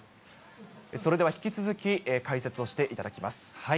それでは引き続き解説をしていただきます。